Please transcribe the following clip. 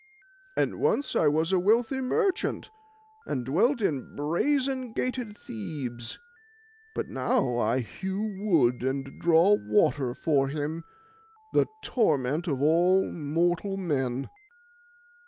And once I was a wealthy merchant, and dwelt in brazen gated Thebes; but now I hew wood and draw water for him, the torment of all mortal men.